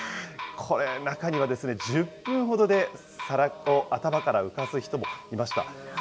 これ、中には１０分ほどで皿を頭から浮かす人もいました。